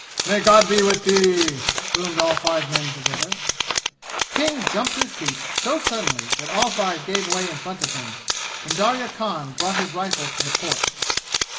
"May God be with thee!" boomed all five men together. King jumped to his feet so suddenly that all five gave way in front of him, and Darya Khan brought his rifle to the port.